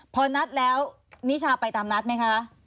พอนัดแล้วนิชาไปตามนัดไหมคะ